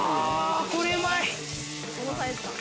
これうまい！